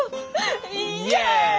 イエーイ！